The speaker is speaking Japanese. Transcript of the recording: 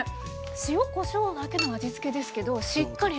塩こしょうだけの味付けですけどしっかり